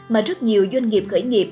mà rất nhiều doanh nghiệp khởi nghiệp